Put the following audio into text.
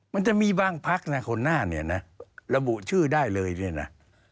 มันจะมีบางพักนะคนหน้าเนี่ยนะระบุชื่อได้เลยเนี่ยนะ